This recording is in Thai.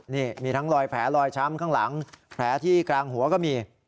นี่มีทั้งรอยแผลลอยช้ำข้างหลังแผลที่กลางหัวก็มี